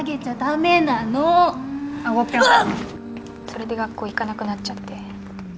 それで学校行かなくなっちゃって。